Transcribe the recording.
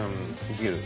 いける？